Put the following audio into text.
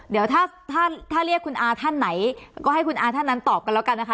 เดี๋ยวถ้าถ้าเรียกคุณอาท่านไหนก็ให้คุณอาท่านนั้นตอบกันแล้วกันนะคะ